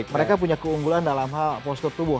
mereka punya keunggulan dalam hal postur tubuh